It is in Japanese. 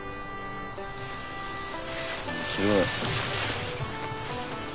面白い。